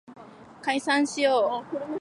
解散しよう